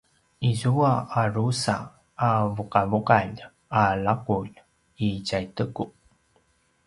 izua a drusa a vuqavuqalj a laqulj i tjaiteku